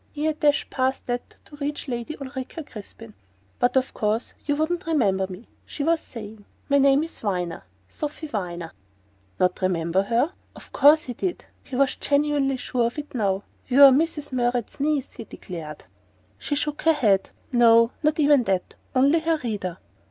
He had dashed past that to reach Lady Ulrica Crispin! "But of course you wouldn't remember me," she was saying. "My name is Viner Sophy Viner." Not remember her? But of course he DID! He was genuinely sure of it now. "You're Mrs. Murrett's niece," he declared. She shook her head. "No; not even that. Only her reader."